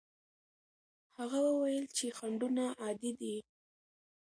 هغه وویل چې خنډونه عادي دي.